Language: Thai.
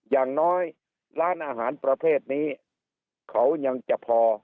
อย่างน้อยร้านอาหารประเภทนี้เขายังจะพอ